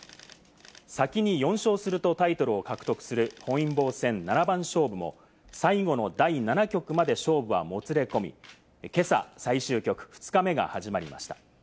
先に４勝するとタイトルを獲得する本因坊戦七番勝負も最後の第７局まで勝負はもつれ込み、今朝、最終局の２日目が始まりました。